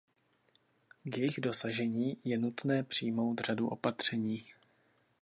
K jejich dosažení je nutné přijmout řadu opatření.